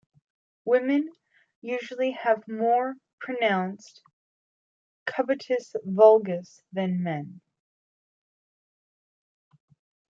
Women usually have a more pronounced Cubitus valgus than men.